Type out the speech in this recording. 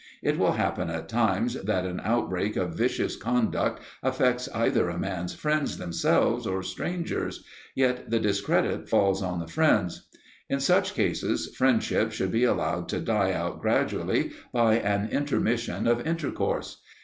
It will happen at times that an outbreak of vicious conduct affects either a man's friends themselves or strangers, yet the discredit falls on the friends. In such cases friendships should be allowed to die out gradually by an intermission of intercourse.